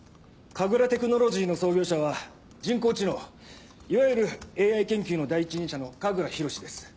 神楽テクノロジーの創業者は人工知能いわゆるＡＩ研究の第一人者の神楽博です。